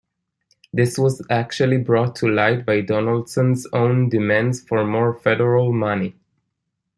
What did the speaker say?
This was actually brought to light by Donaldson's own demands for more Federal money.